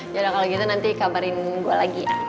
ya udah kalo gitu nanti kabarin gua lagi ya